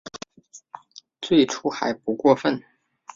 最初还不过分